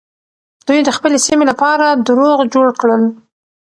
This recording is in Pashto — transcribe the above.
دوی د خپلې سيمې لپاره دروغ جوړ کړل.